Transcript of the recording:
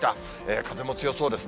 風も強そうですね。